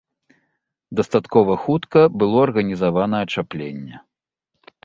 Дастаткова хутка было арганізавана ачапленне.